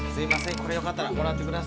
これよかったらもらってください。